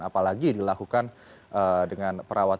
apalagi dilakukan dengan perawat